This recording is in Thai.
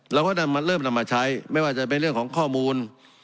เราก็นำมาเริ่มนำมาใช้ไม่ว่าจะเป็นเรื่องของข้อมูล